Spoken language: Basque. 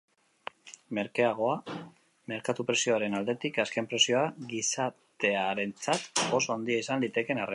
Merkeagoa, merkatu-prezioaren aldetik, azken prezioa gizatearentzat oso handia izan litekeen arren.